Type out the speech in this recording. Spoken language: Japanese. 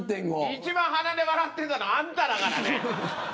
一番鼻で笑ってたのあんただからね。